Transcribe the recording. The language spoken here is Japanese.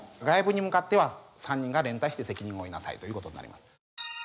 外部に向かっては３人が連帯して責任を負いなさいということになります。